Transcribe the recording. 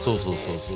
そうそう。